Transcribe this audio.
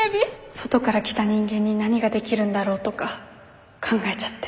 外から来た人間に何ができるんだろうとか考えちゃって。